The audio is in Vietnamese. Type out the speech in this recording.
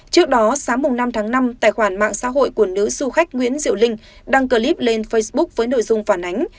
trước đó sáng năm tháng năm tài khoản mạng xã hội của nữ du khách nguyễn diệu linh đăng clip lên facebook với nội dung phản ánh